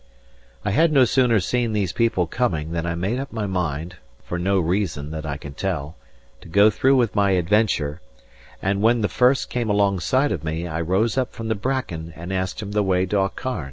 I had no sooner seen these people coming than I made up my mind (for no reason that I can tell) to go through with my adventure; and when the first came alongside of me, I rose up from the bracken and asked him the way to Aucharn.